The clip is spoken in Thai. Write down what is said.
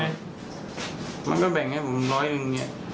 เอาใจขอบคุณ